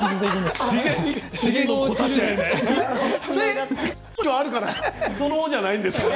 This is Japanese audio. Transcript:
へその緒じゃないんですから。